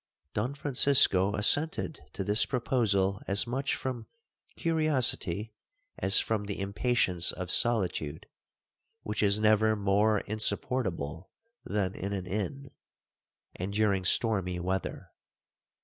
'Don Francisco assented to this proposal as much from curiosity, as from the impatience of solitude, which is never more insupportable than in an inn, and during stormy weather.